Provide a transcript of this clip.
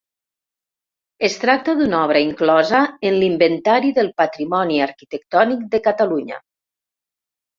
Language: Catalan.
Es tracta d'una obra inclosa en l'Inventari del Patrimoni Arquitectònic de Catalunya.